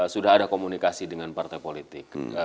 sudah ada komunikasi dengan partai politik